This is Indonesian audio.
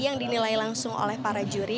yang dinilai langsung oleh para juri